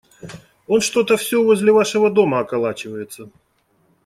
Он что-то все возле вашего дома околачивается.